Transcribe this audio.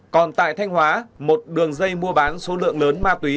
còn tại thanh hóa một đường dây mua bán số lượng lớn ma túy